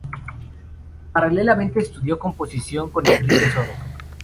Paralelamente, estudió composición con Enrique Soro.